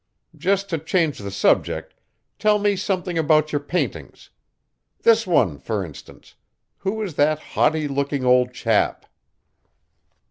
Just to change the subject, tell me something about your paintings. This one, for instance who is that haughty looking old chap?"